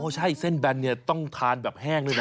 ใช่เส้นแบนเนี่ยต้องทานแบบแห้งด้วยนะ